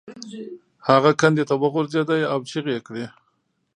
هغه کندې ته وغورځید او چیغې یې کړې.